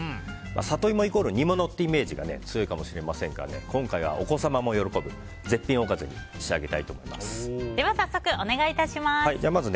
サトイモ＝煮物というイメージが強いかもしれませんが今回はお子様も喜ぶ絶品おかずに仕上げたいと思います。